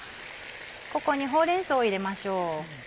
ここにほうれん草を入れましょう。